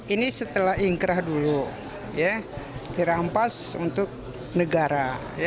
ini setelah ingkrah dulu dirampas untuk negara